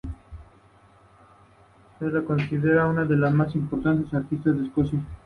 Se la considera una de las más importantes artistas de Escocia.